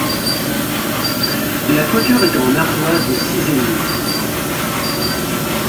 La toiture est en ardoise de Sizun.